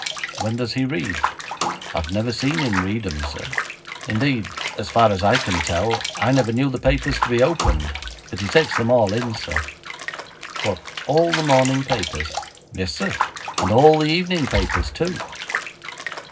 'When does he read?' 'I've never seen him read 'em, sir; indeed, so far as I can tell, I never knew the papers to be opened, but he takes them all in, sir.' 'What, all the morning papers?' 'Yes, sir, and all the evening papers too.'